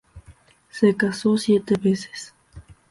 Se casó siete veces.